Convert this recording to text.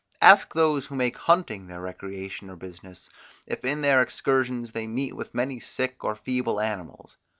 Ask those who make hunting their recreation or business, if in their excursions they meet with many sick or feeble animals.